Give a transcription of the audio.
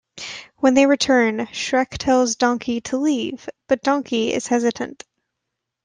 When they return, Shrek tells Donkey to leave, but Donkey is hesitant.